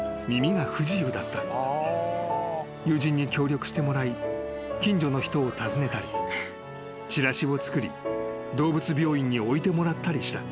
［友人に協力してもらい近所の人を訪ねたりチラシを作り動物病院に置いてもらったりした］